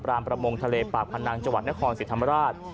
รามประมงทะเลปากพันธนังจังหวัดนครสิทธิ์ธรรมราช